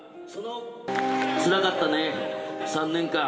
つらかったね、３年間。